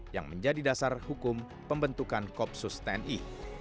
yang menjadi dasar hukum pembentukan koopsus tni